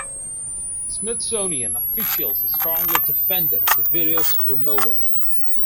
Smithsonian officials strongly defended the video's removal.